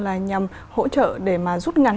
là nhằm hỗ trợ để mà rút ngắn